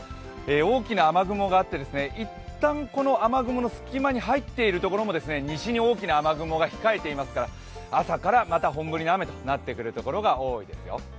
大きな雨雲があっていったんこの雨雲の隙間に入っているところも西に大きな雨雲が控えていますから朝からまた本降りの雨となってくるところが多いですよ。